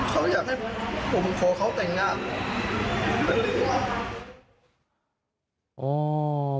เค้าอยากให้ผมขอเค้าแต่งงาน